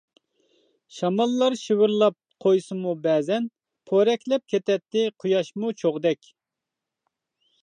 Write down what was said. شاماللار شىۋىرلاپ قويسىمۇ بەزەن، پورەكلەپ كېتەتتى قۇياشمۇ چوغدەك.